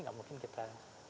tidak mungkin kita